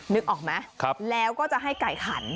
นึกออกไหมแล้วก็จะให้ไก่ขัน